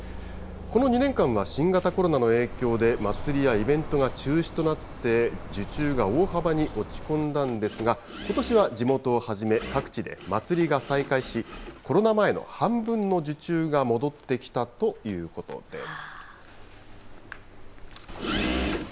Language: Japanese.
この２年間は新型コロナの影響で、祭りやイベントが中止となって、受注が大幅に落ち込んだんですが、ことしは地元をはじめ、各地で祭りが再開し、コロナ前の半分の受注が戻ってきたということです。